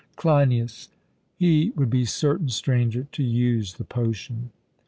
CLEINIAS: He would be certain, Stranger, to use the potion.